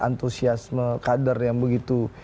antusiasme kader yang begitu